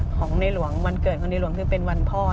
ของในหลวงวันเกิดของในหลวงคือเป็นวันพ่อ